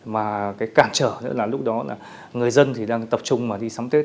mà cái cản trở nữa là lúc đó là người dân thì đang tập trung mà đi sắm tết